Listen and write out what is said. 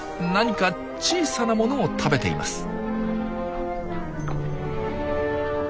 何か小さなものを食べています。